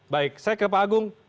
baik saya ke pak agung